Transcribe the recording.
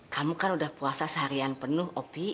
kamu kan udah puasa seharian penuh opi